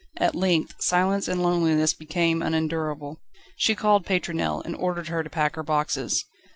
At length silence and loneliness became unendurable. She called Pétronelle, and ordered her to pack her boxes.